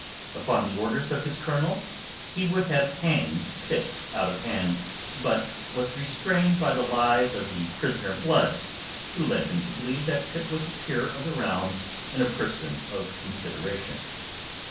Upon the orders of his colonel he would have hanged Pitt out of hand, but was restrained by the lies of the prisoner Blood, who led him to believe that Pitt was a peer of the realm and a person of consideration.